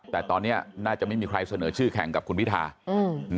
แต่ตอนนี้น่าจะไม่มีใครเสนอชื่อแข่งกับคุณพิธาอืม